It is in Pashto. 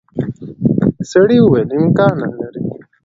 سړي وویل امکان نه لري.